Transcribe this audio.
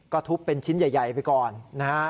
ก็ทุบเป็นชิ้นใหญ่ไปก่อนนะฮะ